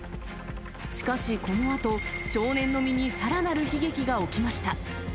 しかし、このあと少年の身にさらなる悲劇が起きました。